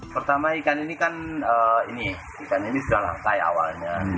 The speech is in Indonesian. pertama ikan ini kan ini ikan ini sudah lantai awalnya